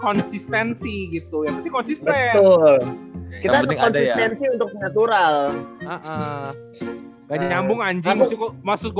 konsistensi gitu ya tapi konsisten kita konsistensi untuk natural nyambung anjing masuk